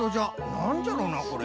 なんじゃろなこれ？